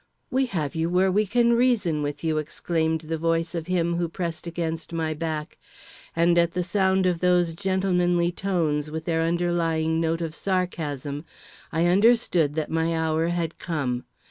"We have you where we can reason with you," exclaimed the voice of him who pressed against my back; and at the sound of those gentlemanly tones with their underlying note of sarcasm, I understood that my hour had come.